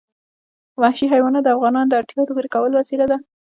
وحشي حیوانات د افغانانو د اړتیاوو د پوره کولو وسیله ده.